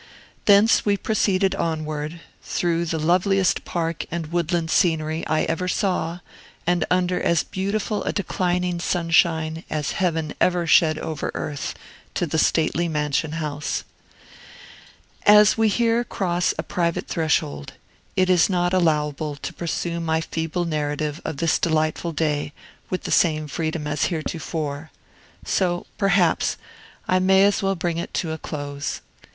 Thence we proceeded onward, through the loveliest park and woodland scenery I ever saw, and under as beautiful a declining sunshine as heaven ever shed over earth, to the stately mansion house. As we here cross a private threshold, it is not allowable to pursue my feeble narrative of this delightful day with the same freedom as heretofore; so, perhaps, I may as well bring it to a close.